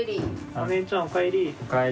・お姉ちゃんお帰り。